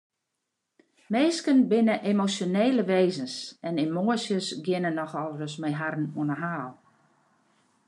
Minsken binne emosjonele wêzens en emoasjes geane nochal ris mei harren oan 'e haal.